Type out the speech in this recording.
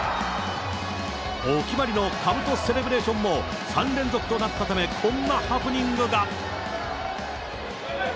お決まりのかぶとセレブレーションも３連続となったため、こんなハプニングが。